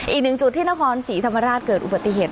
อีกหนึ่งจุดที่นครศรีธรรมราชเกิดอุบัติเหตุ